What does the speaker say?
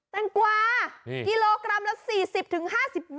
แตงกวากิโลกรัมละ๔๐๕๐บาท